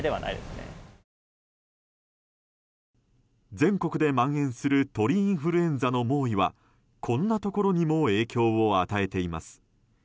全国で蔓延する鳥インフルエンザの猛威はこんなところにも影響を与えています。